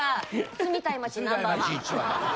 住みたい街１番。